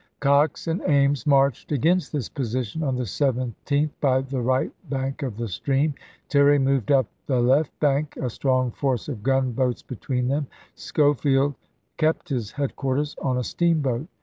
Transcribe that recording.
Cox and Ames marched against this position on the 17th, by the right bank of the stream; Terry moved up the left bank, a strong force of gunboats between them ; Schofield kept his headquarters on a steamboat.